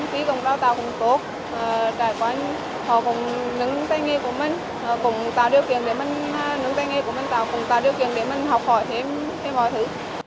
họ cũng tốt họ cũng nâng tay nghề của mình cũng tạo điều kiện để mình học hỏi thêm mọi thứ